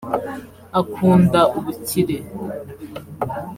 Akunda ubukire